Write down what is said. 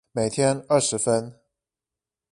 每天二十分